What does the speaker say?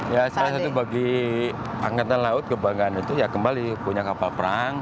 ya salah satu bagi angkatan laut kebanggaan itu ya kembali punya kapal perang